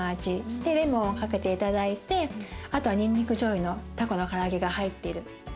でレモンをかけて頂いてあとはにんにくじょうゆのたこの唐揚げが入ってる。